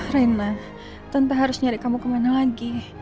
rina tante harus nyari kamu kemana lagi